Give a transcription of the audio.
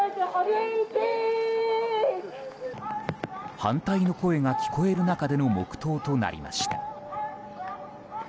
反対の声が聞こえる中での黙祷となりました。